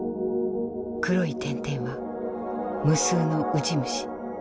黒い点々は無数のウジ虫。